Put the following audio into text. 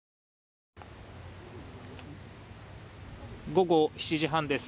午後７時半です。